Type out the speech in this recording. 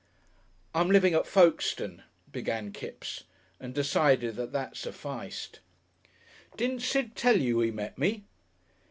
"I'm living at Folkestone," began Kipps and decided that that sufficed. "Didn't Sid tell you he met me?"